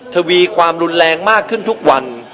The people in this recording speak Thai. ทวีความรุนแรงมากขึ้นทุกวัน